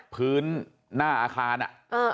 พื้นหน้าอาคารอะ